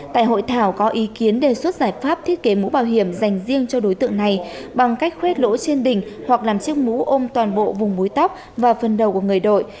tại hội thảo có ý kiến đề xuất giải pháp thiết kế mũ bảo hiểm dành riêng cho đối tượng này bằng cách khuét lỗ trên đỉnh hoặc làm chiếc mũ ôm toàn bộ vùng núi tóc và phần đầu của người đội